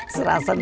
serasa dua abad